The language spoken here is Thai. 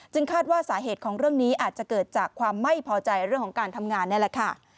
คาดว่าสาเหตุของเรื่องนี้อาจจะเกิดจากความไม่พอใจเรื่องของการทำงานนี่แหละค่ะ